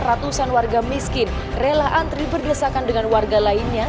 ratusan warga miskin rela antri berdesakan dengan warga lainnya